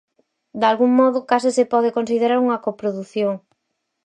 Dalgún modo, case se pode considerar unha coprodución.